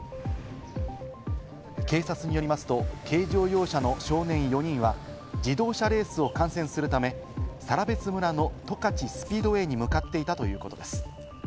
警察によりますと、軽乗用車の少年４人は自動車レースを観戦するため更別村の十勝スピードウェイに向かっていたということです。